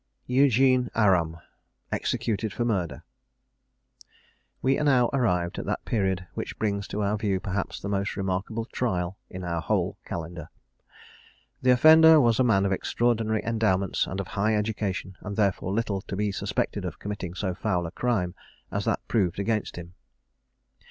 EUGENE ARAM. EXECUTED FOR MURDER. We are now arrived at that period which brings to our view perhaps the most remarkable trial in our whole Calendar. The offender was a man of extraordinary endowments and of high education, and therefore little to be suspected of committing so foul a crime as that proved against him.